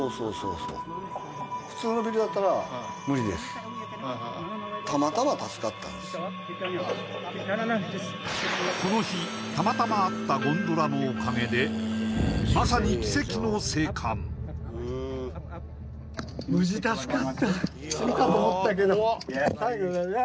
そうこの日たまたまあったゴンドラのおかげでまさに奇跡の生還フーッ！